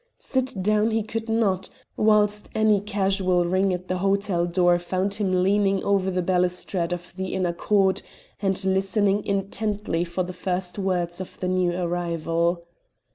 Sit down he could not, whilst any casual ring at the hotel door found him leaning over the balustrade of the inner court and listening intently for the first words of the new arrival.